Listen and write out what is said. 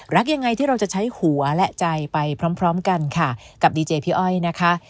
รักยังไงที่เราจะใช้หัวและใจไปพร้อมกันค่ะกับดีเจพี่อ้อยนะคะ